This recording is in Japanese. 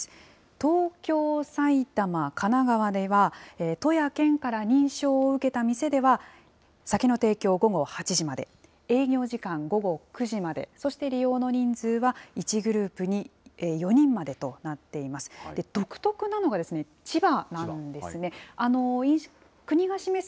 東京、埼玉、神奈川では、都や県から認証を受けた店では、酒の提供、午後８時まで、営業時間午後９時まで、そして利用の人数は１グループに４人までとなっています。